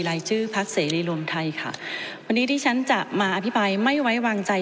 รายชื่อพักเสรีรวมไทยค่ะวันนี้ที่ฉันจะมาอภิปรายไม่ไว้วางใจ